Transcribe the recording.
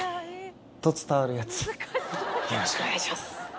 よろしくお願いします。